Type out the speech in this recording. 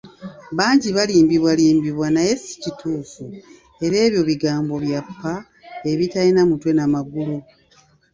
Bangi balimbwalimbwa naye si kituufu era ebyo bigambo bya ppa ebitalina mutwe n'amagulu.